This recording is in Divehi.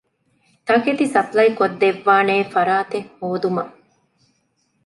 ތަކެތި ސަޕްލައި ކޮށްދެއްވާނޭ ފަރާތެއް ހޯދުމަށް